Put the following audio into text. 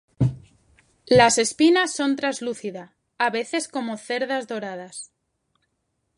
Las espinas son translúcida, a veces como cerdas doradas.